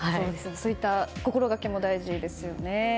そういった心がけも大事ですよね。